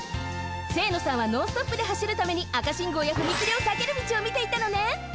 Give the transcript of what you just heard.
清野さんはノンストップではしるために赤信号や踏切をさける道をみていたのね。